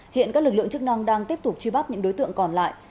hiện các lực lượng chức năng đang tiếp tục truy bắt những đối tượng còn lại